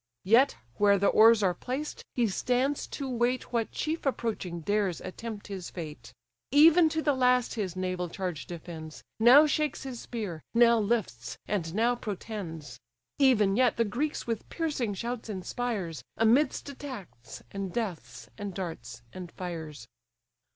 Yet, where the oars are placed, he stands to wait What chief approaching dares attempt his fate: Even to the last his naval charge defends, Now shakes his spear, now lifts, and now protends; Even yet, the Greeks with piercing shouts inspires, Amidst attacks, and deaths, and darts, and fires.